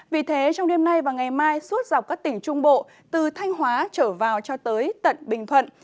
vì thế trong đêm nay và ngày mai suốt dọc các tỉnh trung bộ từ thanh hóa trở vào cho tới tận bình thuận